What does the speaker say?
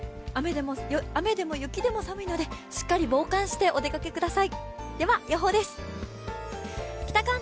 雨でも雪でも寒いのでしっかり防寒してお出かけください。